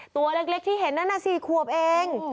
ตัวเล็กที่เห็นนั่นน่ะ๔ขวบเอง